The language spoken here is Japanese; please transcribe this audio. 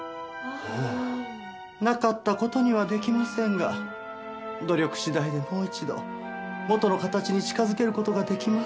なかった事にはできませんが努力次第でもう一度元の形に近づける事ができます。